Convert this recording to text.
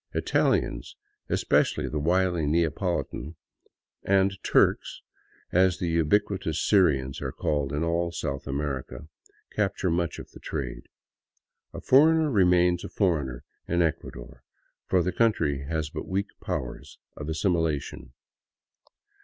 Italians, especially the wily Neapolitan, and " Turks," as the ubiquitous Syrians are called in all South America, capture much of the trade. A foreigner remains a foreigner in Ecua dor, for the country has but weak powers of assimilation.